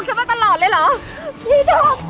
ไปไปไปไอ้เหลวไอ้เหลวไอ้เหลวไอ้เหลว